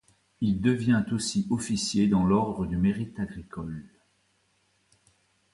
Il devient aussi officier dans l'ordre du Mérite agricole.